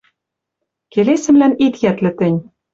Келесӹмлӓн ит йӓтлӹ тӹнь: